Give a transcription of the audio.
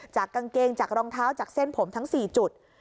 กางเกงจากรองเท้าจากเส้นผมทั้ง๔จุด